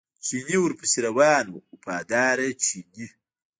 چیني ورپسې روان و وفاداره چیني.